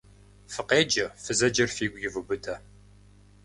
Фыкъеджэ, фызэджэр фигу ивубыдэ!